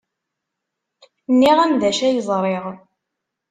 Nniɣ-am d acu ay ẓriɣ.